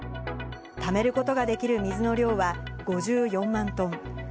ためることができる水の量は５４万トン。